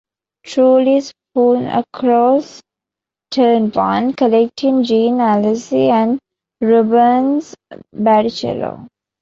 Trulli spun across turn one, collecting Jean Alesi and Rubens Barrichello.